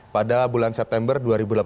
pada bulan september dua ribu delapan belas